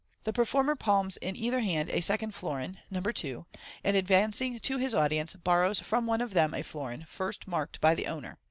The pe rf ormer palms in either hand a second florin (No. 2), and rdvancing to his audience, borrows from one of them a florin, first ,Tiaiked by the owner.